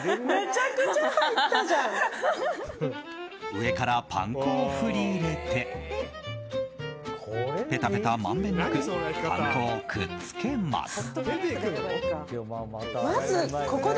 上からパン粉を振り入れてペタペタまんべんなくパン粉をくっつけます。